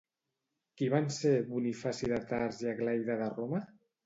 Qui van ser Bonifaci de Tars i Aglaida de Roma?